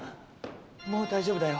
もう大丈夫だよ。